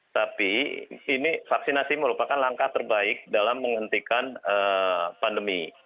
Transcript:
tapi ini vaksinasi merupakan langkah terbaik dalam menghentikan pandemi